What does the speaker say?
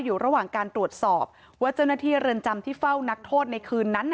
อยู่ระหว่างการตรวจสอบว่าเจ้าหน้าที่เรือนจำที่เฝ้านักโทษในคืนนั้น